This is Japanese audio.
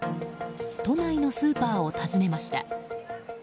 都内のスーパーを訪ねました。